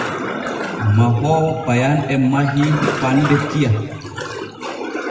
Mahoowo payanɗe mahii faande kiya.